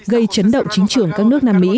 gây chấn động chính trưởng các nước nam mỹ